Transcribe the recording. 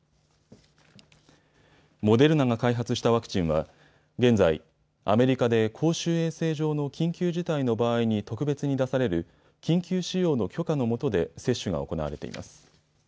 モデルナが開発したワクチンは現在、アメリカで公衆衛生上の緊急事態の場合に特別に出される緊急使用の許可のもとで接種が行われています。